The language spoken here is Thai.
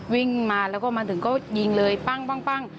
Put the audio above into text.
วิ่งมาแล้วก็มาถึงก็ยิงเลยปั้ง